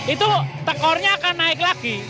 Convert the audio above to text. itu tekornya akan naik lagi